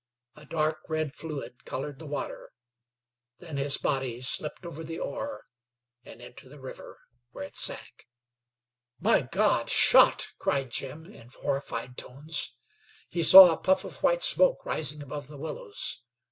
A dark red fluid colored the water; then his body slipped over the oar and into the river, where it sank. "My God! Shot!" cried Jim, in horrified tones. He saw a puff of white smoke rising above the willows.